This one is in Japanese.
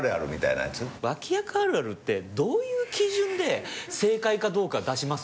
脇役あるあるってどういう基準で正解かどうか出します？